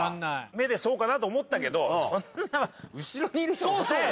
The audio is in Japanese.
目でそうかなと思ったけどそんな後ろにいる人答え。